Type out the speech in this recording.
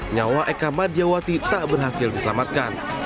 nyawa eka madiawati tak berhasil diselamatkan